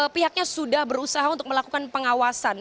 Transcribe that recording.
pihaknya sudah berusaha untuk melakukan pengawasan